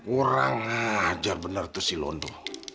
kurang ajar bener tuh si londo